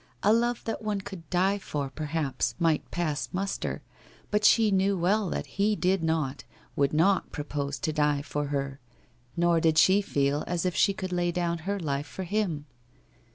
A love that one could die for, perhaps, might pass muster, but she knew well that he did not, would not propose to die for her. Nor did she feel as if she could lay down her life for him